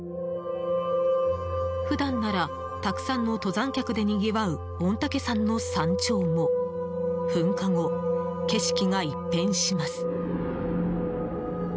普段なら、たくさんの登山客でにぎわう御嶽山の山頂も噴火後、景色が一変します。